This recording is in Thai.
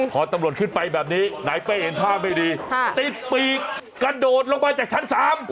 พอตำรวจขึ้นไปแบบนี้นายเป้เห็นท่าไม่ดีติดปีกกระโดดลงมาจากชั้น๓